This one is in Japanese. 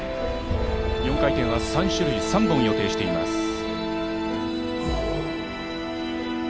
４回転は３本、予定しています。